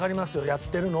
やってるのは。